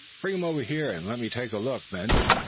"Bring him over here, and let me take a look, men.